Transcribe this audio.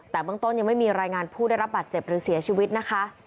แต่เบื้องต้นยังไม่มีรายงานผู้ได้รับบาดเจ็บหรือเสียชีวิตนะคะ